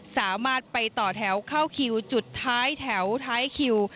สามารถไปต่อแถวเข้าคิวจุดท้ายแถวท้ายคิว